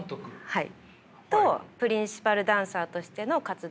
はい。